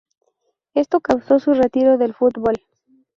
Esto causo su retiro del futbol.